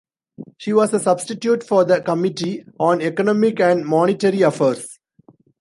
She was a substitute for the Committee on Economic and Monetary Affairs.